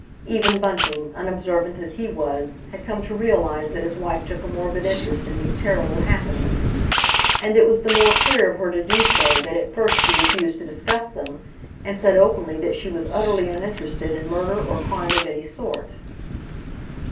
Even Bunting, unobservant as he was, had come to realise that his wife took a morbid interest in these terrible happenings. And it was the more queer of her to do so that at first she refused to discuss them, and said openly that she was utterly uninterested in murder or crime of any sort.